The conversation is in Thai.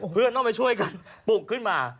เพื่อนต้องไปช่วยกันปลุกขึ้นมา